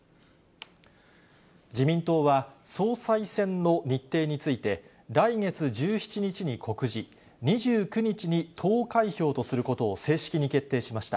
自民党は、総裁選の日程について、来月１７日に告示、２９日に投開票とすることを正式に決定しました。